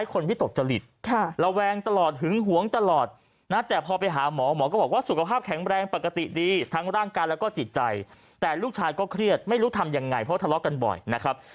ก็แข็งแรงปกติดีทั้งร่างการและก็จิตใจแต่ลูกชายก็เครียดไม่รู้ทำยังไงเพราะทะเลาะกันบ่อยนะครับ